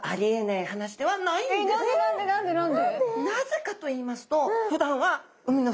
何で何で何で何で？